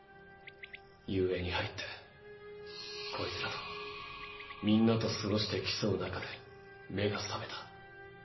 雄英に入ってこいつらと皆と過ごして競う中で目が覚めた。